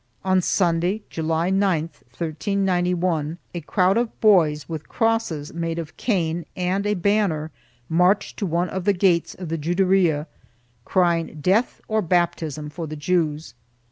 On Sunday, July 9, 1391, a crowd of boys, with crosses made of cane and a banner, marched to one of the gates of the Juderia, crying death or baptism for the Jews.